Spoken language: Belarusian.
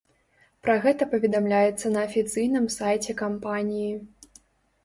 Пра гэта паведамляецца на афіцыйным сайце кампаніі.